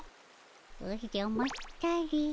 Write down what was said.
おじゃまったり。